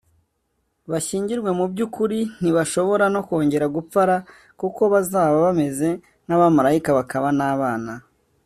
bashyingirwe mu by ukuri ntibashobora no kongera gupfa r kuko bazaba bameze nk abamarayika bakaba n abana